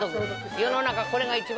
世の中これが一番。